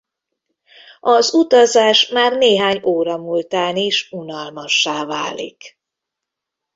Az utazás már néhány óra múltán is unalmassá válik.